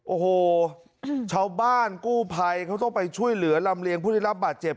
โอ้โหชาวบ้านกู้ภัยเขาต้องไปช่วยเหลือลำเลียงผู้ได้รับบาดเจ็บ